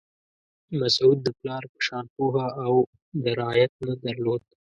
مسعود د پلار په شان پوهه او درایت نه درلود.